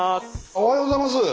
おはようございます！